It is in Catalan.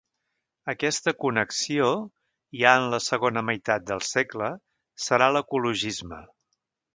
Aquesta connexió, ja en la segona meitat del segle, serà l’ecologisme.